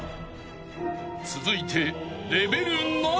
［続いて］